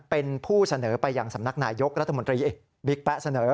เป็นผู้เสนอไปยังสำนักนายยกรัฐมนตรีเอกบิ๊กแป๊ะเสนอ